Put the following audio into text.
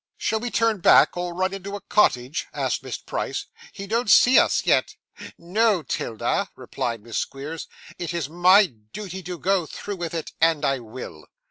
'Shall we turn back, or run into a cottage?' asked Miss Price. 'He don't see us yet.' 'No, 'Tilda,' replied Miss Squeers, 'it is my duty to go through with it, and I will!